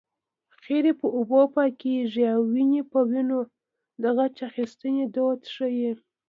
خیرې په اوبو پاکېږي او وينې په وينو د غچ اخیستنې دود ښيي